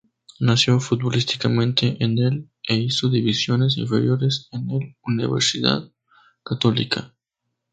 Nació futbolísticamente en el e hizo divisiones inferiores en el Universidad Católica.